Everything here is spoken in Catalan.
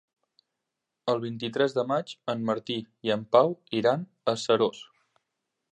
El vint-i-tres de maig en Martí i en Pau iran a Seròs.